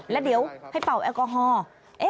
แล้วเดี๋ยวให้เป่าแอลกอฮอล์